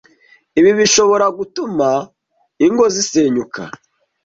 Ibi bishobora gutuma ingo zisenyuka